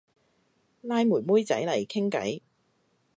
拉妹妹仔嚟傾偈